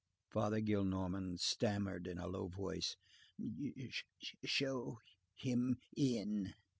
'" Father Gillenormand stammered in a low voice:— "Show him in."